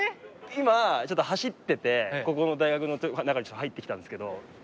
今ちょっと走っててここの大学の中に入ってきたんですけど今何年生？